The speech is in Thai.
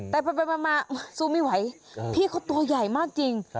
แต่ไปมาสู้ไม่ไหวพี่เขาตัวใหญ่มากจริง